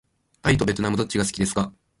タイとべトナムどっちが好きですか。